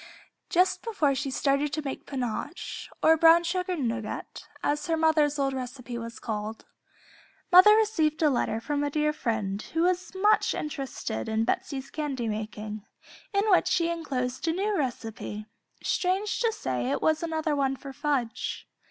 Just before she started to make "Pinoche" or "Brown Sugar Nougat," as her mother's old recipe was called, mother received a letter from a dear friend, who was much interested in Betsey's candy making, in which she enclosed a new recipe; strange to say it was another one for fudge.